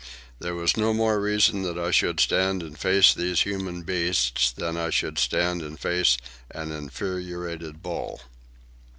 There was no more reason that I should stand and face these human beasts than that I should stand and face an infuriated bull.